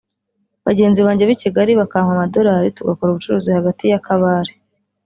bagenzi banjye b’i Kigali bakampa amadorali tugakora ubucuruzi hagati ya Kabale